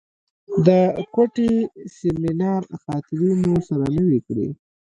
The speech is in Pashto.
د کوټې سیمینار خاطرې مو سره نوې کړې.